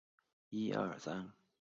该年也增设魁星神像。